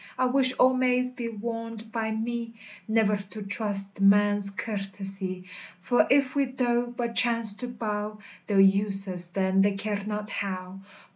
I wish all maids be warned by mee, Nevir to trust man's curtesy; For if we doe but chance to bow, They'll use us then they care not how.